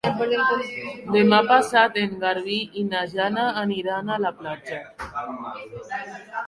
Demà passat en Garbí i na Jana aniran a la platja.